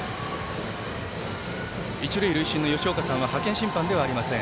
一塁塁審の吉岡さんは派遣審判ではありません。